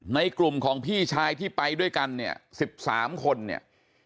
ในกลุ่มของพี่ชายที่ไปด้วยกันเนี่ย๑๓คนเนี่ย